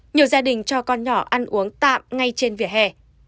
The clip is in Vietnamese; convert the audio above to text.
nhiều gia đình cho con nhỏ ăn uống tạm ngay trên vỉa hè